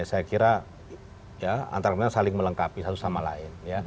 saya kira antara saling melengkapi satu sama lain